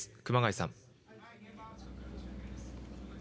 熊谷さん。